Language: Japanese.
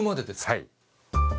はい。